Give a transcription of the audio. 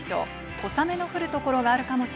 小雨の降る所があるかもし